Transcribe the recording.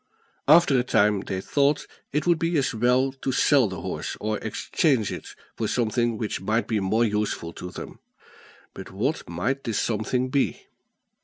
After a time they thought it would be as well to sell the horse, or exchange it for something which might be more useful to them. But what might this something be?